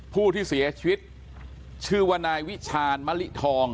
ผู้ที่เสียชีวิตชื่อว่านายวิชาณมะลิทอง